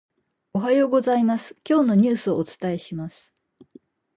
おはようございます、今日のニュースをお伝えします。